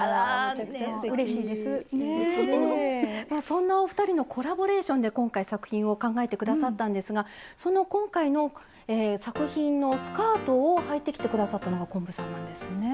そんなお二人のコラボレーションで今回作品を考えて下さったんですがその今回の作品のスカートをはいてきて下さったのが昆布さんなんですね。